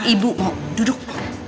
ibu mau duduk